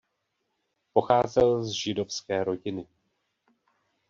Pocházel z židovské rodiny.